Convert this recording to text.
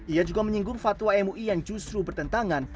ia juga menyinggung fatwa mui yang justru bertentangan